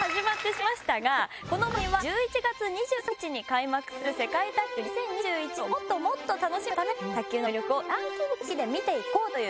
この番組は１１月２３日に開幕する世界卓球２０２１をもっともっと楽しむために卓球の魅力をランキング形式で見ていこうという。